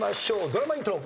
ドラマイントロ。